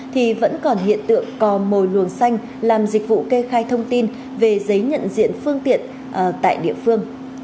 thì vẫn còn hiện tượng cò mồi luồng xanh làm dịch vụ kê khai thông tin về giấy nhận diện phương tiện tại địa phương